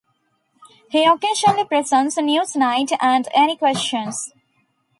He occasionally presents "Newsnight" and "Any Questions".